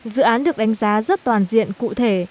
dự án được đánh giá rất toàn diện cụ thể